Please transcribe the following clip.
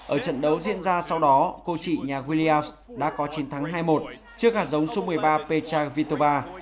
ở trận đấu diễn ra sau đó cô chị nhà williams đã có chiến thắng hai một trước hạt giống số một mươi ba pecha vitova